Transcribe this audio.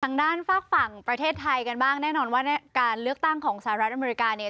ทางด้านฝากฝั่งประเทศไทยกันบ้างแน่นอนว่าการเลือกตั้งของสหรัฐอเมริกาเนี่ย